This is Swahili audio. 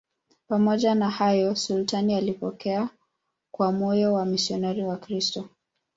Pamoja na hayo, sultani alipokea kwa moyo wamisionari Wakristo.